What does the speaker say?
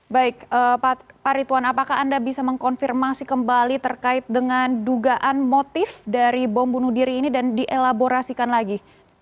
baik pak ritwan apakah anda bisa mengkonfirmasi kembali terkait dengan dugaan motif dari bom bunuh diri ini dan dielaborasikan lagi